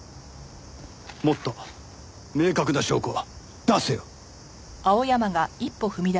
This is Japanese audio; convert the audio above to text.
もっと明確な証拠を出せよ。